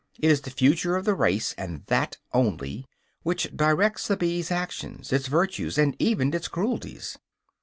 It is the future of the race, and that only, which directs the bee's actions, its virtues, and even its cruelties.